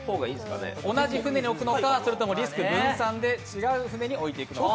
同じ船に置くのか、それともリスク分散で違う船に置いていくのか。